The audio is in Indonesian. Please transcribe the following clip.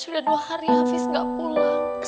sudah dua hari habis gak pulang